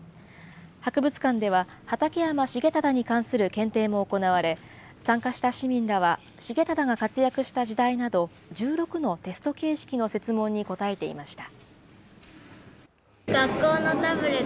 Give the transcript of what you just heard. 博物館では、畠山重忠に関する検定も行われ、参加した市民らは重忠が活躍した時代など、１６のテスト形式の設問に答えていました。